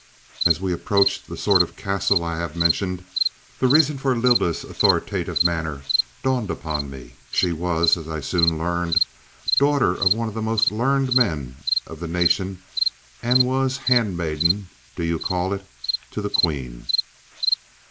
As we approached the sort of castle I have mentioned, the reason for Lylda's authoritative manner dawned upon me. She was, I soon learned, daughter of one of the most learned men of the nation and was handmaiden, do you call it? to the queen."